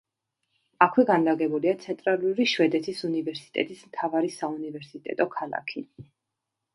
აქვე განლაგებულია ცენტრალური შვედეთის უნივერსიტეტის მთავარი საუნივერსიტეტო ქალაქი.